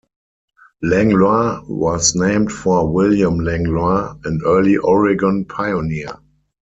Langlois was named for William Langlois, an early Oregon pioneer.